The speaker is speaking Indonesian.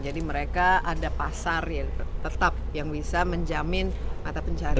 maka ada pasar yang tetap bisa menjamin mata pencarian mereka